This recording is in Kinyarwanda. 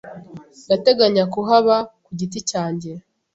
Ndateganya kuhaba ku giti cyanjye.